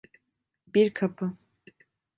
Bir kapı.